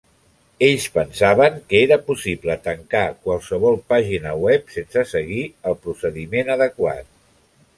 Ells pensaven que era possible tancar qualsevol pàgina web sense seguir el procediment adequat.